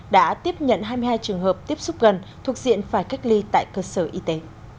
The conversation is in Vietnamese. đã tiếp nhận hai mươi hai trường hợp tiếp xúc gần thuộc diện phải cách ly tại cơ sở y tế